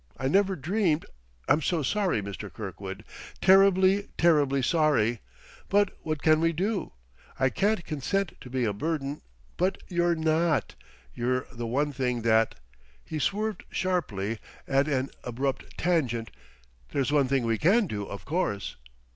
I never dreamed.... I'm so sorry, Mr. Kirkwood terribly, terribly sorry!... But what can we do? I can't consent to be a burden " "But you're not! You're the one thing that ..." He swerved sharply, at an abrupt tangent. "There's one thing we can do, of course."